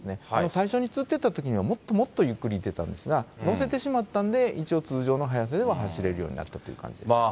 最初につってたときには、もっともっとゆっくり行ってたんですが、載せてしまったんで、一応通常の速さで走れるようになったという感じです。